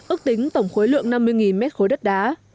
ước tính tổng khối lượng năm mươi m ba đất đá